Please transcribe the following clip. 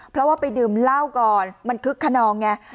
เพราะว่าไปดื่มเหล้าก่อนมันคึกขนองไง